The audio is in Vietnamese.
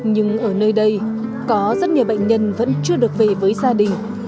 nhưng ở nơi đây có rất nhiều bệnh nhân vẫn chưa được về với gia đình